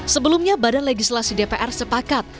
sebelumnya badan legislasi dpr sepakat